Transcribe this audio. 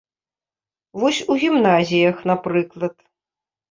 Вось, у гімназіях, напрыклад.